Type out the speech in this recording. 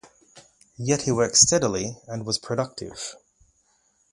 Yet he worked steadily and was productive.